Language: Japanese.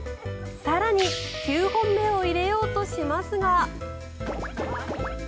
更に９本目を入れようとしますが。